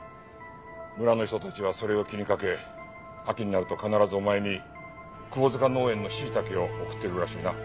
村の人たちはそれを気にかけ秋になると必ずお前にくぼづか農園のしいたけを送っているらしいな。